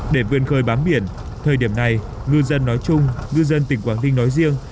để vươn khơi bám biển thời điểm này ngư dân nói chung ngư dân tỉnh quảng ninh nói riêng